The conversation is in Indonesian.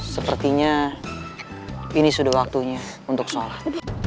sepertinya ini sudah waktunya untuk sholat